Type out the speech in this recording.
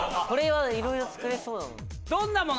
これはいろいろ作れそうだな。